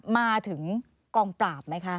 มาถึงกองปราบไหมคะ